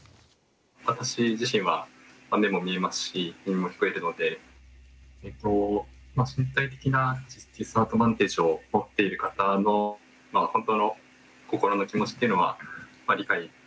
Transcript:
私自身は目も見えますし耳も聞こえてるので身体的なディスアドバンテージをもっている方の本当の心の気持ちっていうのは理解できないのかなと思っていて。